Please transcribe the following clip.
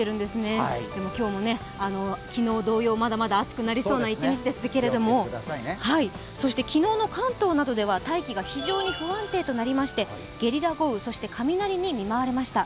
今日も昨日同様まだまだ暑くなりそうな一日ですけれども昨日の関東などでは大気が非常に不安定となりましてゲリラ豪雨、そして雷に見舞われました。